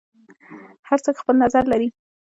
هر څوک خپل نظر لري.